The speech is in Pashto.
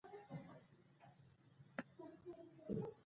خو په کولمبیا کې ډېر لږ شمېر بومي وګړي ژوند کوي.